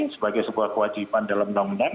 sebagai sebuah kewajiban dalam undang undang